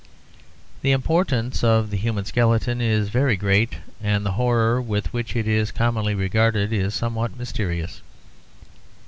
The importance of the human skeleton is very great, and the horror with which it is commonly regarded is somewhat mysterious.